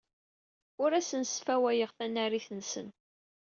Ur asen-sfawayeɣ tanarit-nsen.